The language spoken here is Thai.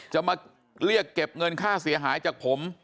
จะมาเรียกเก็บเงินค่าเสียหายจากผม